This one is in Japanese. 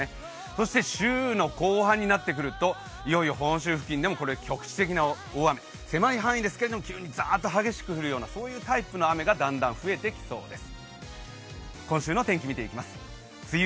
そして週の後半になってくるといよいよ本州付近でも局地的大雨、狭い範囲ですが激しく降るタイプの雨がだんだん増えてきそうです。